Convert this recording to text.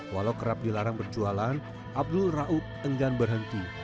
walau kerap dilarang berjualan abdul raub enggan berhenti